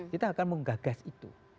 kita akan menggagas itu